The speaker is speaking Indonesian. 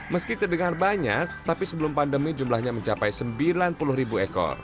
meski terdengar banyak tapi sebelum pandemi jumlahnya mencapai sembilan puluh ribu ekor